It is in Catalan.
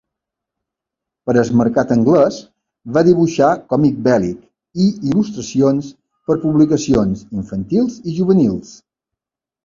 Per al mercat anglès va dibuixar còmic bèl·lic, i il·lustracions per publicacions infantils i juvenils.